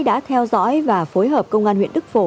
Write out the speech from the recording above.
đã theo dõi và phối hợp công an huyện đức phổ